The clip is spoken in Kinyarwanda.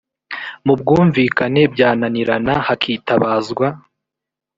mu bwunvikane byananirana hakitabazwa